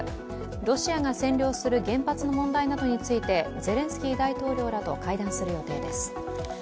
ロシアが占領する原発の問題などについてゼレンスキー大統領らと会談する予定です。